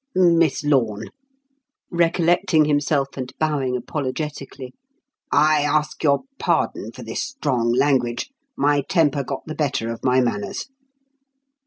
Miss Lorne" recollecting himself and bowing apologetically "I ask your pardon for this strong language my temper got the better of my manners."